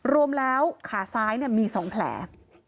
รวมแล้วขาซ้ายเนี่ยมีสองแผล